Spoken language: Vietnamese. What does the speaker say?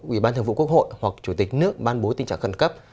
ủy ban thường vụ quốc hội hoặc chủ tịch nước ban bố tình trạng khẩn cấp